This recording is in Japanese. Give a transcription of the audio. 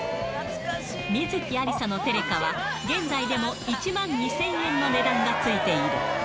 観月ありさのテレカは、現在でも１万２０００円の値段がついている。